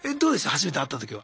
初めて会った時は。